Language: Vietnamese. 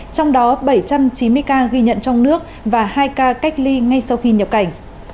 trong đó bảy trăm chín mươi ca ghi nhận trong nước và hai ca cách ly ngay sau khi nhập cảnh